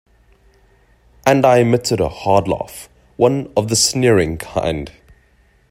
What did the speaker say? And I emitted a hard laugh — one of the sneering kind.